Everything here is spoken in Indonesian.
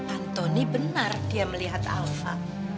antoni benar dia melihat alfa